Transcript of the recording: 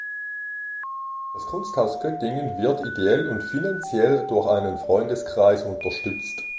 Das Kunsthaus Göttingen wird ideell und finanziell durch einen Freundeskreis unterstützt.